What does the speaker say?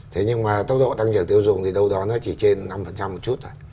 thế nhưng mà tốc độ tăng trưởng tiêu dùng thì đâu đó nó chỉ trên năm một chút thôi